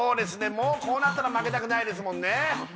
もうこうなったら負けたくないですもんね